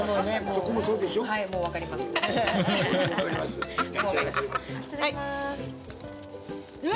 そこもそうでしょう？